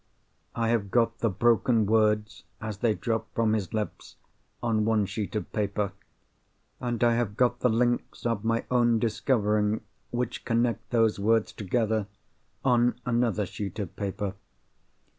I have got the broken words, as they dropped from his lips, on one sheet of paper. And I have got the links of my own discovering which connect those words together, on another sheet of paper.